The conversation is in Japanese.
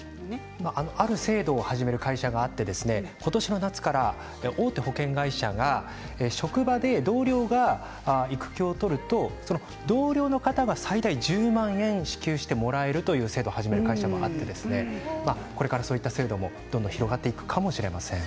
ある制度を始める会社があって、今年の夏から大手保険会社が職場で同僚が育休を取るとその同僚の方が最大１０万円支給してもらえるという制度を始める会社もあってこれから、そういった制度もどんどん広がっていくかもしれません。